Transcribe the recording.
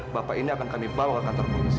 bapak ini akan kami bawa ke kantor polisi